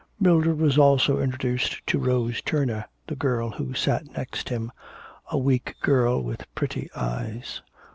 Mildred was also introduced to Rose Turner, the girl who sat next him, a weak girl with pretty eyes.